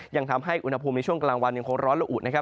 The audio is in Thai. ยังทำให้อุณหภูมิในช่วงกลางวันยังคงร้อนละอุนะครับ